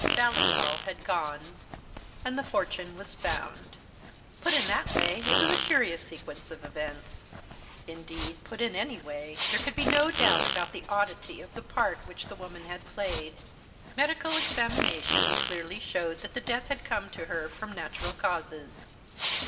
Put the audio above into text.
Ballingall had gone and the fortune was found. Put in that way, it was a curious sequence of events. Indeed, put in any way, there could be no doubt about the oddity of the part which the woman had played. Medical examination clearly showed that death had come to her from natural causes.